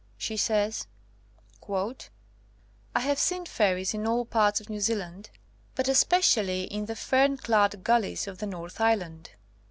She says : *'I have seen fairies in all parts of New Zealand, but especially in the fern clad gul lies of the North Island.